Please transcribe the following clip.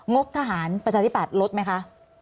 บทหารประชาธิบัตย์ลดไหมคะ